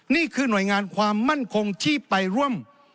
นี่คือหน่วยงานความมั่นคงที่ไปร่วม